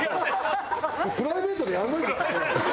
プライベートでやらないですこれ。